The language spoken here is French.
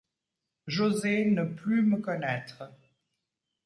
J’osai ne plus me connaître